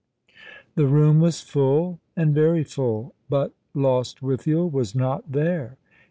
The room was full, and very full ; but Lostwithiel was not there.